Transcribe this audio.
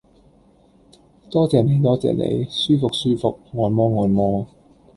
多謝你多謝你，舒服舒服，按摩按摩